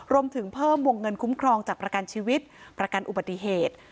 รวมถึงเพิ่มวงเงินคุ้มครองจากประกันชีวิตประกันอุบัติเหตุ